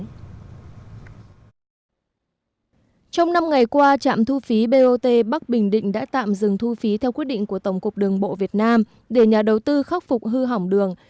trong năm ngày qua trạm thu phí bot bắc bình định đã tạm dừng thu phí theo quyết định của tổng cục đường bộ việt nam để nhà đầu tư khắc phục hư hỏng đường